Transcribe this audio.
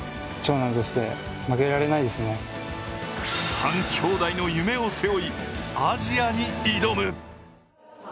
３兄弟の夢を背負い、アジアに挑む。